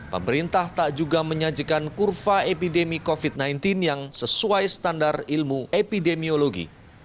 pemerintah tak juga menyajikan kurva epidemi covid sembilan belas yang sesuai standar ilmu epidemiologi